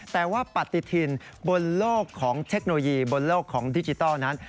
แต่ว่าปฏิทินบนโลกของเทคโนโลยีบนโลกของดิจิทัลนั้น